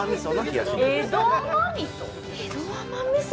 江戸甘味噌？